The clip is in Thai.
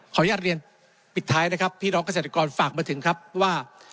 อนุญาตเรียนปิดท้ายนะครับพี่น้องเกษตรกรฝากมาถึงครับว่า